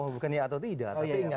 bukan ya atau tidak